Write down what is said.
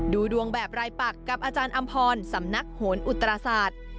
ดูดวงแบบรายปักกับอาจารย์อำพรสำนักโหนอุตราศาสตร์